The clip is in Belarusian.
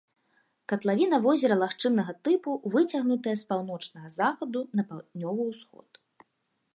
Катлавіна возера лагчыннага тыпу, выцягнутая паўночнага захаду на паўднёвы ўсход.